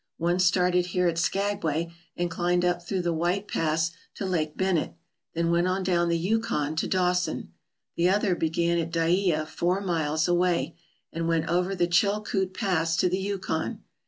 One started here at Skagway and climbed up through the White Pass to Lake Bennett, then went on down the Yukon to Dawson. The other began at Dyea, four miles away, and went over the Chil koot Pass to the Yukon.